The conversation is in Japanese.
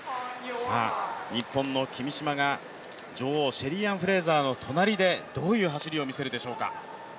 日本の君嶋が女王、シェリーアン・フレイザーの隣でどういう走りを見せるでしょうか？